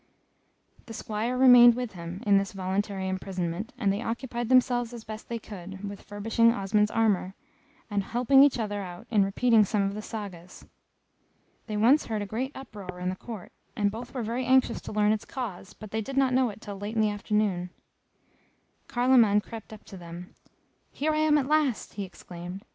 The Squire remained with him, in this voluntary imprisonment, and they occupied themselves, as best they could, with furbishing Osmond's armour, and helping each other out in repeating some of the Sagas. They once heard a great uproar in the court, and both were very anxious to learn its cause, but they did not know it till late in the afternoon. Carloman crept up to them "Here I am at last!" he exclaimed.